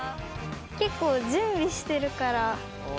結構準備してるから。